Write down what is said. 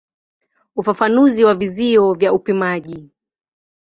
Ufafanuzi wa vizio vya upimaji.